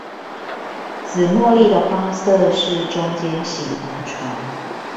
紫茉莉的花色是中間型遺傳